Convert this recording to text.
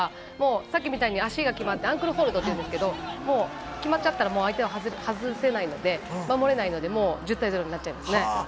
さっきみたいに足が決まってアンクルホールドと言うんですが、決まったら相手は外せないので、守れないので、１０対０になっちゃいますね。